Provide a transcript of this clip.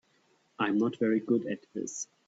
I'm not very good at this.